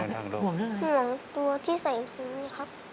ห่วงตัวที่ใส่หูเนี่ยครับ